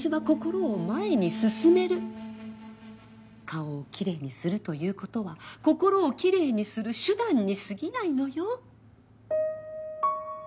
顔をきれいにするということは心をきれいにする手段にすぎないのよ。